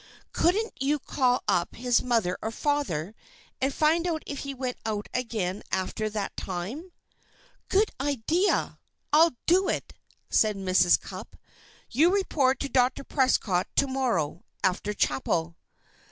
Couldn't you call up his mother or father, and find out if he went out again after that time?" "Good idea! I'll do it," said Mrs. Cupp. "You report to Dr. Prescott to morrow, after chapel."